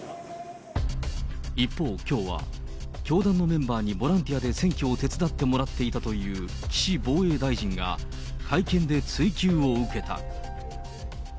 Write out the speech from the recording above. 一方、きょうは教団のメンバーにボランティアで選挙を手伝ってもらっていたという岸防衛大臣が、会見で追及を受けた。